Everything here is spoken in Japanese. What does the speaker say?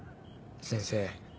先生。